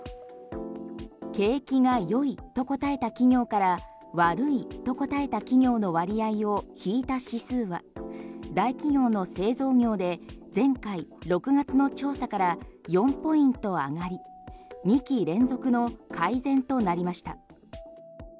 景気が良いと答えた企業から悪いと答えた企業の割合を引いた指数は大企業の製造業で前回６月の調査から４ポイント上がり２期連続の改善となりました。